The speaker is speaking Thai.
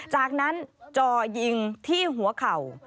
จากนั้นจ่อยิงที่หัวเข่า